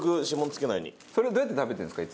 それをどうやって食べてるんですか？